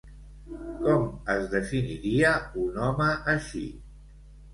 Com es definiria un home així?